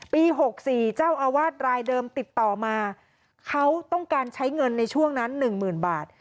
๖๔เจ้าอาวาสรายเดิมติดต่อมาเขาต้องการใช้เงินในช่วงนั้น๑๐๐๐บาท